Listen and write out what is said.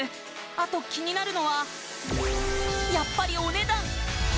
あと気になるのはやっぱりお値段